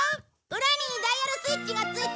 裏にダイヤルスイッチがついてるよ。